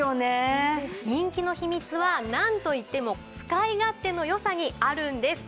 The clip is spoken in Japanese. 人気の秘密はなんといっても使い勝手の良さにあるんです。